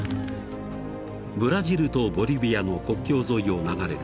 ［ブラジルとボリビアの国境沿いを流れる］